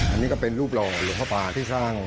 อันนี้ก็เป็นรูปหล่อหลวงพ่อป่าที่สร้าง